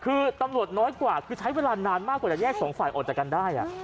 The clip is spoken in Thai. คือตำรวจน้อยกว่าคือใช้เวลานานมากกว่าจะแยกสองฝ่ายออกจากกันได้